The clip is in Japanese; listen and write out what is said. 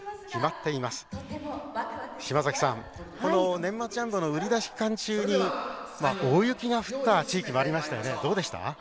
年末ジャンボの売り出し期間中に大雪が降った地域もありましたね。